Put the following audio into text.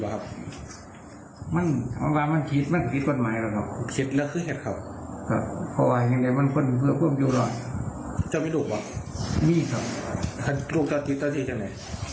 ค่ะคันลูกที่มันก็ล้ำบาดใจกับเขา